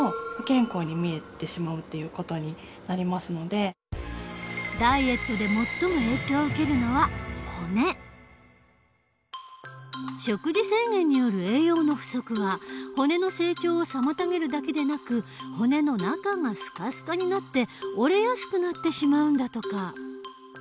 専門家は１０代のダイエットで食事制限による栄養の不足は骨の成長を妨げるだけでなく骨の中がすかすかになって折れやすくなってしまうんだとか。